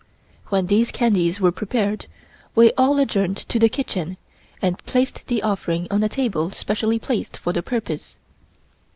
When these candies were prepared, we all adjourned to the kitchen and placed the offering on a table specially placed for the purpose.